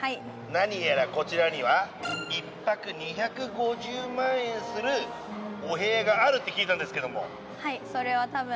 何やらこちらには一泊２５０万円するお部屋があるって聞いたんですけども。